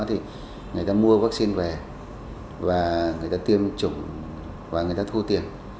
thì người ta mua vaccine về và người ta tiêm chủng và người ta thu tiền